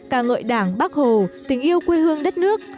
ca ngợi đảng bác hồ tình yêu quê hương đất nước